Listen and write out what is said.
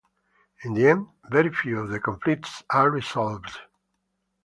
In the end, very few of the conflicts are resolved.